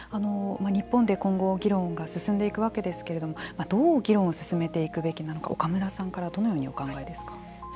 日本で今後、議論が進んでいくわけですけれどもどう議論を進めていくべきなのか岡村さんからどのようにお考えですか。